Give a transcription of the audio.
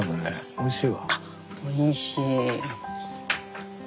おいしい。